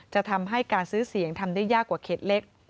จะทำให้การซื้อเสียงทำได้ยากกว่าเขตเล็ก